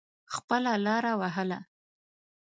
خپله لاره وهله.